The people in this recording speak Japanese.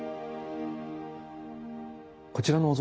こちらのお像